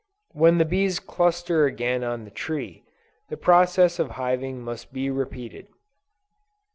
When the bees cluster again on the tree, the process of hiving must be repeated.